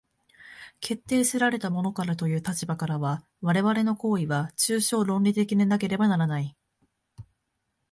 決定せられたものからという立場からは、我々の行為は抽象論理的でなければならない。